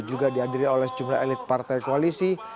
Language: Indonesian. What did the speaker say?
juga dihadiri oleh sejumlah elit partai koalisi